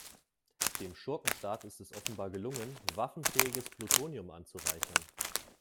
Dem Schurkenstaat ist es offenbar gelungen, waffenfähiges Plutonium anzureichern.